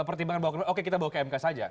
pertimbangan bawa ke mk oke kita bawa ke mk saja